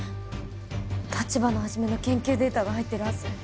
立花始の研究データが入ってるはず。